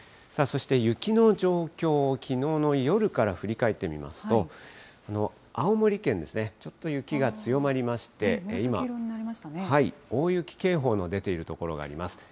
そして、雪の状況、きのうの夜から振り返ってみますと、青森県ですね、ちょっと雪が強まりまして、今、大雪警報の出ている所があります。